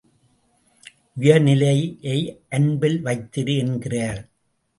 உயிர்நிலையை அன்பில் வைத்திரு என்கிறார்.